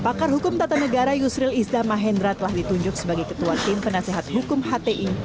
pakar hukum tata negara yusril izda mahendra telah ditunjuk sebagai ketua tim penasehat hukum hti